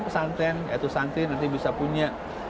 pesantren atau santri nanti bisa punya